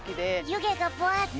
ゆげがぶわって。